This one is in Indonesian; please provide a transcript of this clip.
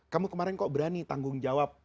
kamu kemarin kok berani tanggung jawab